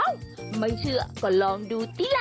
อ้าวไม่เชื่อก็ลองดูสิล่ะ